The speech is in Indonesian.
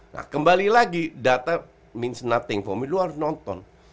nah kembali lagi data means nothing for me lo harus nonton